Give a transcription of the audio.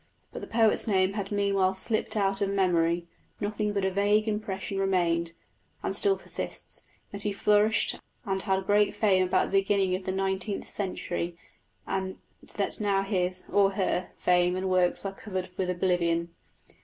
But the poet's name had meanwhile slipped out of memory; nothing but a vague impression remained (and still persists) that he flourished and had great fame about the beginning of the nineteenth century, and that now his (or her) fame and works are covered with oblivion.